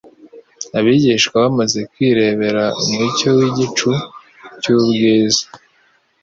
Abigishwa bamaze kwirebera umucyo w'igicu cy'ubwiza